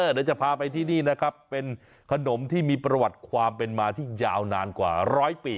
เดี๋ยวจะพาไปที่นี่นะครับเป็นขนมที่มีประวัติความเป็นมาที่ยาวนานกว่าร้อยปี